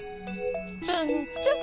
つんつん。